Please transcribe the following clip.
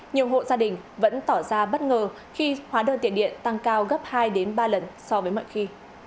nhiều hộ gia đình vẫn tỏ ra bất ngờ khi hóa đơn tiền điện tăng cao gấp hai ba lần so với mọi khi